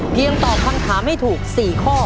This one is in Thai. เพียงตอบค้างคามให้ถูก๔ข้อ